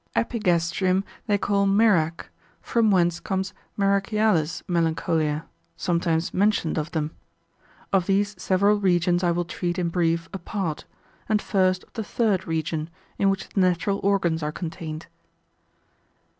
Epigastrium they call Mirach, from whence comes Mirachialis Melancholia, sometimes mentioned of them. Of these several regions I will treat in brief apart; and first of the third region, in which the natural organs are contained.